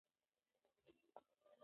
دا نړۍ امانت ده.